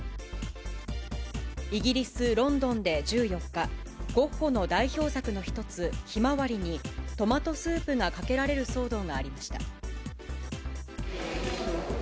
イギリス・ロンドンで１４日、ゴッホの代表作の一つ、ひまわりに、トマトスープがかけられる騒動がありました。